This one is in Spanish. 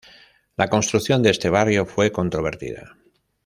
La construcción de este barrio fue controvertida.